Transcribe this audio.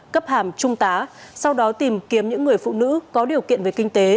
cấp hàm trung tá sau đó tìm kiếm những người phụ nữ có điều kiện về kinh tế